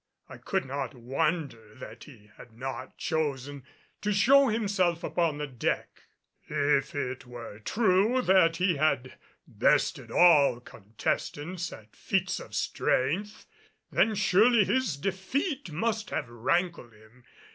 I could not wonder that he had not chosen to show himself upon the deck; if it were true that he had bested all contestants at feats of strength, then surely his defeat must have rankled in him.